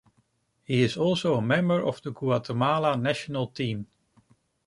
He is also a member of the Guatemala national team.